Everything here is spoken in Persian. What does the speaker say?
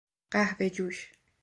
قهوه جوش